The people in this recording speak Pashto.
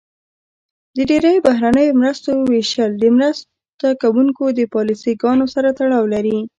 د ډیری بهرنیو مرستو ویشل د مرسته کوونکو د پالیسي ګانو سره تړاو لري.